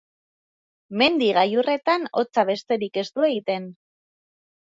Mendi gailurretan hotza besterik ez du egiten.